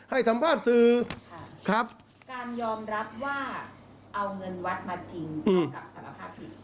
การยอมรับว่าเอาเงินวัดมาจริงเท่ากับสารภาพผิด